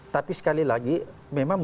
tapi sekali lagi memang